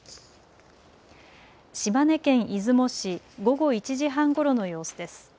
島根県出雲市、午後１時半ごろの様子です。